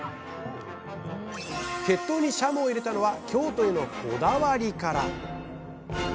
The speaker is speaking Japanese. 血統にシャモを入れたのは京都へのこだわりから！